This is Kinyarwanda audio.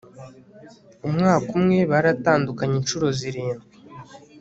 umwaka umwe baratandukanye inshuro zirindwi